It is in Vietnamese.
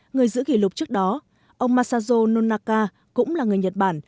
người giữ kỷ lục trước đó ông masajo nonaka cũng là người nhật bản